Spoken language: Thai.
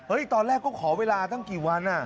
ตอนแรกก็ขอเวลาตั้งกี่วัน